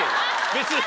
別に。